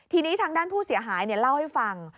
ทีนี้ทางด้านผู้เสียหายเล่าให้ฟัง